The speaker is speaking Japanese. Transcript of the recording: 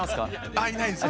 あいないですか。